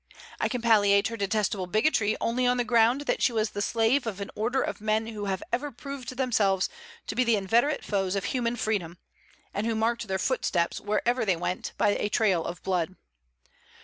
I can palliate her detestable bigotry only on the ground that she was the slave of an order of men who have ever proved themselves to be the inveterate foes of human freedom, and who marked their footsteps, wherever they went, by a trail of blood.